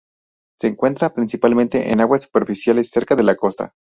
Se encuentra principalmente en aguas superficiales cerca de la costa.